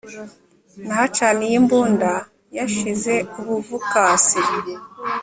nahacaniye imbunda yashize ubuvukasi